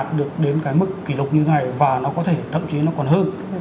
nó có thể đạt được đến cái mức kỷ lục như thế này và nó có thể thậm chí nó còn hơn